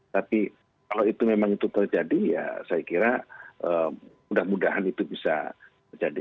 tapi kalau itu memang itu terjadi ya saya kira mudah mudahan itu bisa terjadi